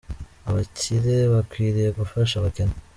Abakire bakwiriye gufasha abakene.